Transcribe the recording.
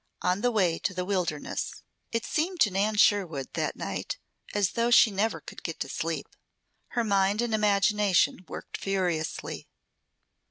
ON THE WAY TO THE WILDERNESS It seemed to Nan Sherwood that night as though she never could get to sleep. Her mind and imagination worked furiously.